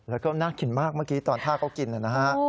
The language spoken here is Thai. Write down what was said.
แล้วก็น่ากินมากเมื่อกี้ตอนท่าเขากินนะฮะ